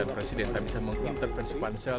pansel tidak bisa mengintervensi pansel